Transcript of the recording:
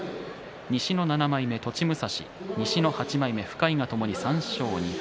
西の７枚目の栃武蔵西の８枚目の深井がともに３勝２敗。